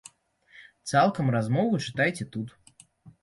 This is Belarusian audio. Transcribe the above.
Цалкам размову чытайце тут.